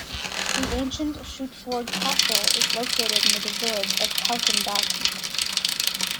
The ancient Schuttbourg Castle is located near the Village of Kautenbach.